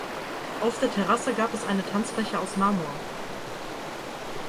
Auf der Terrasse gab es eine Tanzfläche aus Marmor.